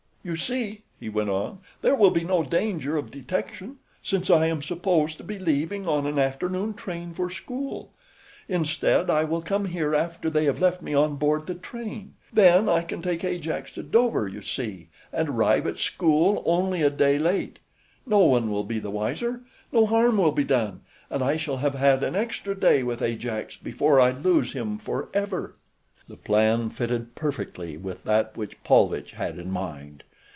"You see," he went on, "there will be no danger of detection since I am supposed to be leaving on an afternoon train for school. Instead I will come here after they have left me on board the train. Then I can take Ajax to Dover, you see, and arrive at school only a day late. No one will be the wiser, no harm will be done, and I shall have had an extra day with Ajax before I lose him forever." The plan fitted perfectly with that which Paulvitch had in mind.